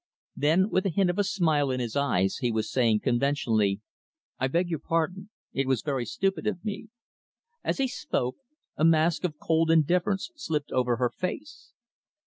Then, with a hint of a smile in his eyes, he was saying, conventionally, "I beg your pardon. It was very stupid of me." As he spoke, a mask of cold indifference slipped over her face.